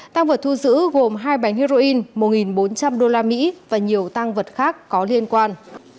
tang vật thu xử gồm hai bánh heroin một bốn trăm linh usd và nhiều tang vật khác có liên quan